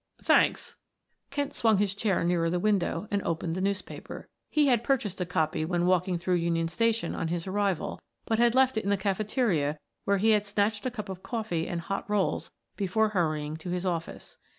"Thanks." Kent swung his chair nearer the window and opened the newspaper. He had purchased a copy when walking through Union Station on his arrival, but had left it in the cafeteria where he had snatched a cup of coffee and hot rolls before hurrying to his office.